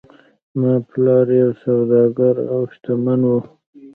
زما پلار یو سوداګر و او شتمن و.